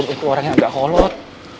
aku untuk orang yang gak holot